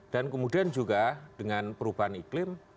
dan kemudian juga dengan perubahan iklim